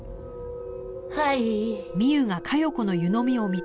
はい。